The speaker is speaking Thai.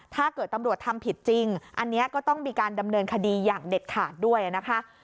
ถ้าเกิดตำรวจทำผิดจริงอันนี้ก็ต้องมีการดำเนินคดีอย่างเด็ดขาดด้วยนะคะ